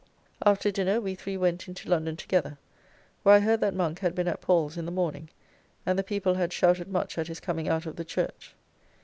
After dinner we three went into London together, where I heard that Monk had been at Paul's in the morning, and the people had shouted much at his coming out of the church.